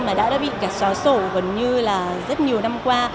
mà đã bị gạt xóa sổ gần như rất nhiều năm qua